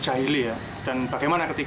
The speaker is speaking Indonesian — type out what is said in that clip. usia berapa yang paling kecil